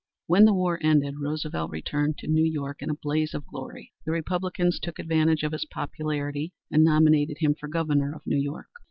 When the war ended Roosevelt returned to New York in a blaze of glory. The Republicans took advantage of his popularity and nominated him for Governor of New York.